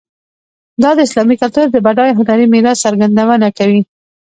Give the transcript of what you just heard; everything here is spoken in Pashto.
دا د اسلامي کلتور د بډایه هنري میراث څرګندونه کوي.